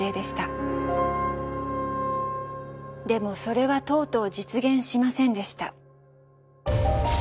でもそれはとうとう実現しませんでした。